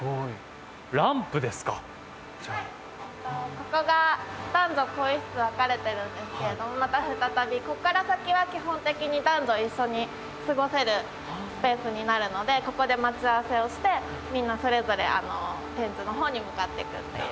ここが男女更衣室分かれてるんですけれどまた再びここから先は基本的に男女一緒に過ごせるスペースになるのでここで待ち合わせをしてみんなそれぞれ展示の方に向かっていくっていう。